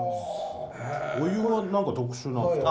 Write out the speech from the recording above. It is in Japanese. お湯は何か特殊なんですか？